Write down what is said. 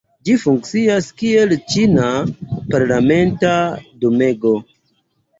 Ĝi funkcias kiel ĉina parlamenta domego.